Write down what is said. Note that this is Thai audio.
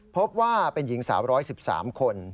พบว่าเป็นหญิงสาว๑๑๓คน